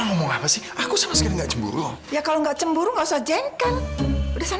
ngomong apa sih aku sama sekali enggak cemburu ya kalau nggak cemburu nggak usah jengkel udah saya